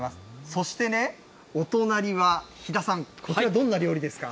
そしてね、お隣は肥田さん、こちら、どんな料理ですか？